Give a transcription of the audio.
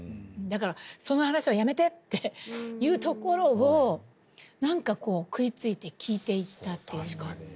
だからその話はやめてって言うところを何かこう食いついて聞いていたっていうのは。